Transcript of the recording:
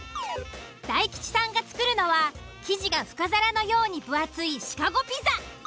大吉さんが作るのは生地が深皿のように分厚いシカゴピザ。